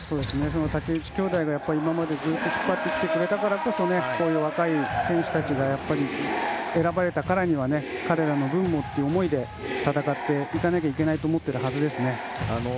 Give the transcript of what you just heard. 竹内兄弟が、今までずっと引っ張ってきてくれたからこそこういう若い選手たちが選ばれたからには彼らの分もという思いで戦っていかなきゃいけないと思っているはずですからね。